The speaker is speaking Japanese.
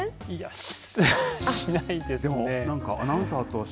いや、しないですね。